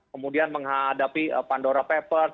kemudian menghadapi pandora papers